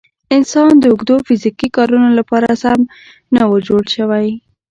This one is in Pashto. انسان د اوږدو فیزیکي کارونو لپاره سم نه و جوړ شوی.